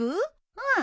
うん。